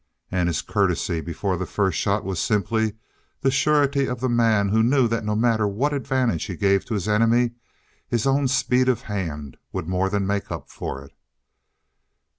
And his courtesy before the first shot was simply the surety of the man who knew that no matter what advantage he gave to his enemy, his own speed of hand would more than make up for it.